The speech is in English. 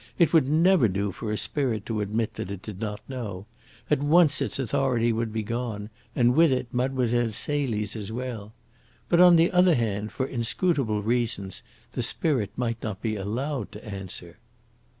It would never do for a spirit to admit that it did not know. At once its authority would be gone, and with it Mlle. Celie's as well. But on the other hand, for inscrutable reasons the spirit might not be allowed to answer."